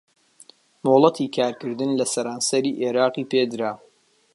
مۆلەتی کارکردن لە سەرانسەری عێراقی پێدرا